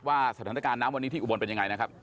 สถานการณ์น้ำวันนี้ที่อุบลเป็นยังไงนะครับ